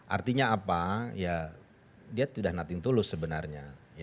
artinya apa ya dia tidak nothing to lose sebenarnya